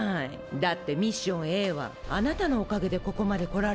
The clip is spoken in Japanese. だってミッションＡはあなたのおかげでここまでこられたんだもの。